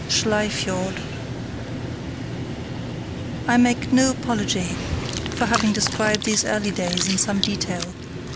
Schlei Fiord I make no apology for having described these early days in some detail.